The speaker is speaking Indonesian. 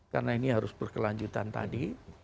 karena ini harus berkelanjutan tadi